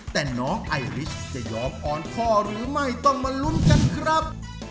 แต่น้องไอริสจะยอมอ่อนข้อหรือไม่ต้องมาลุ้นกันครับ